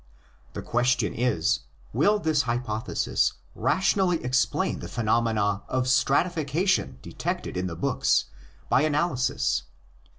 The question is, Will this hypo thesis rationally explain the phenomena of stratifi cation detected in the books by analysis?